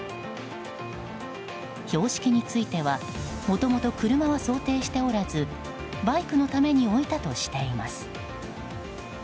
標識についてはもともと車は想定しておらずバイクのために置いたとしています。